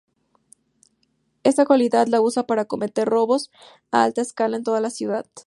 Esta cualidad la usa para cometer robos a alta escala en toda la ciudad.